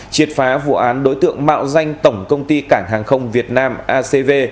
triệt phá vụ án đối tượng mạo danh tổng công ty cảng hàng không việt nam acv